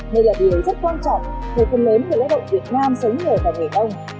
đây là điều rất quan trọng thời khuôn lớn của lãi động việt nam sống nghề và nghề nông